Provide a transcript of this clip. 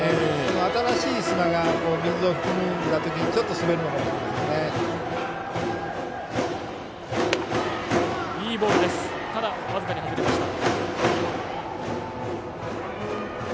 新しい砂が水を含んだときにちょっと滑るのかもしれませんね。